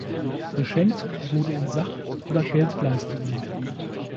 Beschenkt wurde in Sach- oder Geldleistungen.